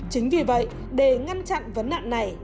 chính vì vậy để ngăn chặn vấn nạn này